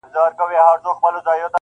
جانان ستا وي او په برخه د بل چا سي,